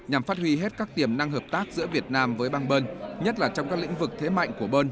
nhằm phát huy hết các tiềm năng hợp tác giữa việt nam với bang bơn nhất là trong các lĩnh vực thế mạnh của bern